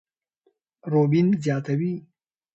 روبين زياتوي،